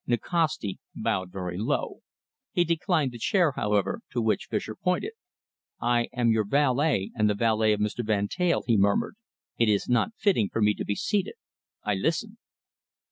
Nikasti bowed very low. He declined the chair, however, to which Fischer pointed. "I am your valet and the valet of Mr. Van Teyl," he murmured. "It is not fitting for me to be seated. I listen."